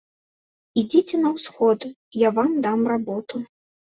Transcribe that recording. Ідзіце на ўсход, я вам дам работу.